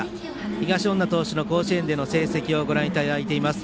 東恩納投手の甲子園での成績をご覧いただいています。